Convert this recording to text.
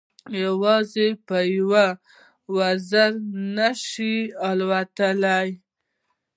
یوازې په یوه وزر نه شي الوتلای.